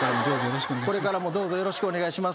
これからもどうぞよろしくお願いします